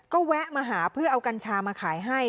ก็แวะมาหาเพื่อเอากัญชามาขายให้